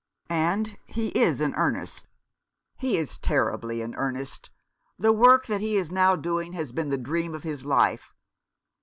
"And he is in earnest?" "He is terribly in earnest. The work that he is now doing has been the dream of his life.